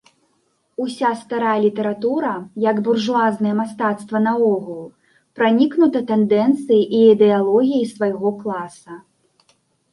Уся старая літаратура, як буржуазнае мастацтва наогул, пранікнута тэндэнцыяй і ідэалогіяй свайго класа.